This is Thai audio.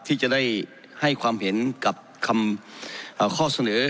ที่จะได้ให้ความเห็นกับคำข้อเสนอ